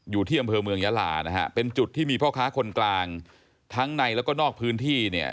อยู่ที่อำเภอเมืองยาลานะฮะเป็นจุดที่มีพ่อค้าคนกลางทั้งในแล้วก็นอกพื้นที่เนี่ย